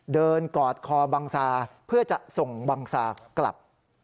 กอดคอบังซาเพื่อจะส่งบังซากลับ